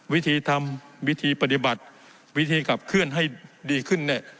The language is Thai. วิธีทำวิธีปฏิบัติวิธีขับเคลื่อนให้ดีขึ้นเนี่ย